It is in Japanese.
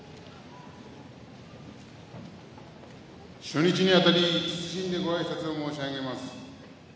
初日にあたり謹んでごあいさつを申し上げます。